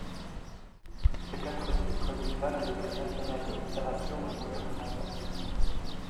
Ces quatre titres lui valent le prix national de littérature du Gouvernement Basque.